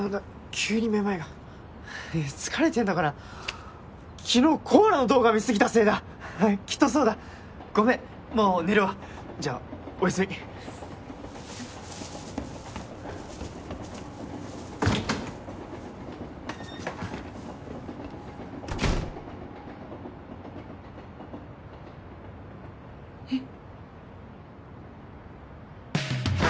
急にめまいが疲れてんのかな昨日コアラの動画見過ぎたせいだきっとそうだごめんもう寝るわじゃあおやすみえっ？